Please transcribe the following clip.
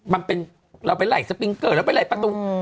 เราไปไหล่สปิงเกอร์เราไปไหล่ประตู